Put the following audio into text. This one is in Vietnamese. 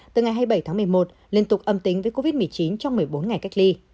từ ngày hai mươi bảy tháng một mươi một liên tục âm tính với covid một mươi chín trong một mươi bốn ngày cách ly